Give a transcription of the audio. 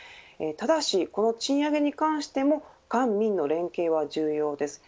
ただしこの賃上げに関しても官民の連携は重要です。